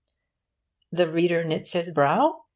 The reader knits his brow?